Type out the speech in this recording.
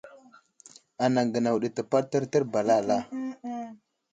Anaŋ gənaw ɗi təpaɗ tərtər ba alala.